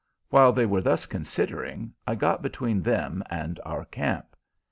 While they were thus considering, I got between them and our camp.